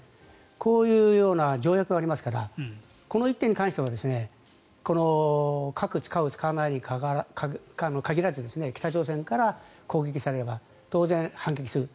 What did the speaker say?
こういうような条約がありますからこの１点に関しては核を使う、使わないに限らず北朝鮮から攻撃されれば当然、反撃する。